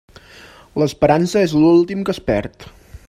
L'esperança és l'últim que es perd.